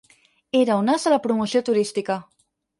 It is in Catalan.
Era un as de la promoció turística.